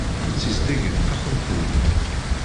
Ssizdeget taxxamt-nni!